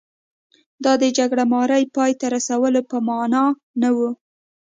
دا د جګړه مارۍ پای ته رسولو په معنا نه و.